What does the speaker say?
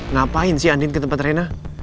ngapain sih andin ke tempat rena